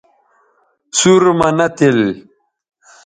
سُور مہ نہ تِل